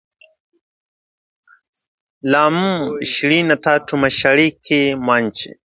la M ishirini na tatu mashariki mwa nchi